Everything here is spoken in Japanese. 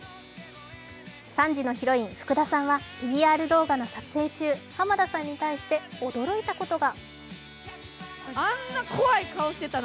３時のヒロイン・福田さんはＰＲ動画の撮影中、浜田さんに対して驚いたことが。